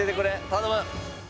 頼む。